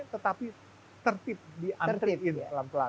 tetapi tertib diantriin pelan pelan